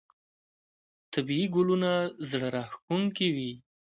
طبیعي ګلونه زړه راښکونکي وي.